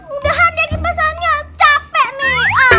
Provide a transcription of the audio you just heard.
udah hadir pasalnya capek nih